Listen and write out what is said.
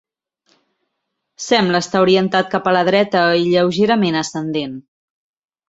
Sembla estar orientat cap a la dreta i lleugerament ascendent.